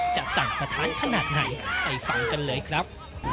สั่งสถานขนาดไหนไปฟังกันเลยครับ